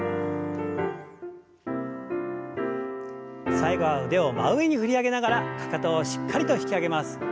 最後は腕を真上に振り上げながらかかとをしっかりと引き上げます。